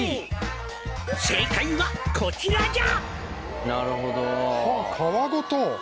「正解はこちらじゃ」